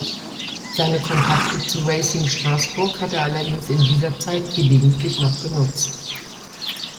Seine Kontakte zu Racing Strasbourg hat er allerdings in dieser Zeit gelegentlich noch genutzt.